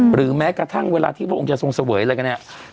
หรือแม้กระทั่งเวลาที่พระองค์จะทรงเสวยอะไรกันเนี่ย